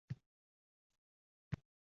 O’lmay qolganda.